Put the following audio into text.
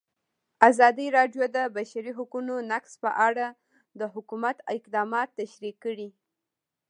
ازادي راډیو د د بشري حقونو نقض په اړه د حکومت اقدامات تشریح کړي.